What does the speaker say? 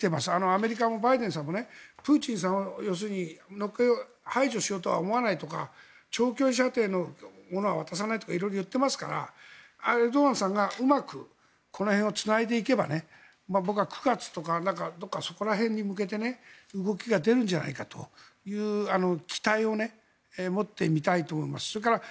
アメリカのバイデンさんはプーチンさんを排除しようとは思わないとか長距離射程のものは渡さないとかいろいろ言ってますからエルドアンさんがうまくこの辺をつないでいけば僕は９月とかそこら辺に向けて動きが出るんじゃないかという期待を持って見たいと思います。